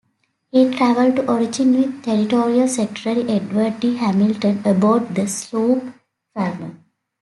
He traveled to Oregon with Territorial Secretary Edward D. Hamilton aboard the sloop "Falmouth".